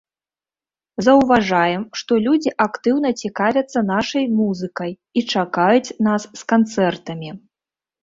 Заўважаем, што людзі актыўна цікавяцца нашай музыкай і чакаюць нас з канцэртамі.